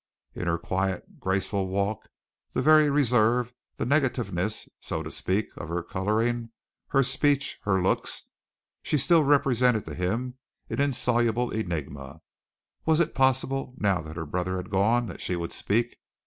In her quiet, graceful walk, the very reserve, the negativeness, so to speak, of her coloring, her speech, her looks, she still represented to him an insoluble enigma. Was it possible, now that her brother had gone, that she would speak?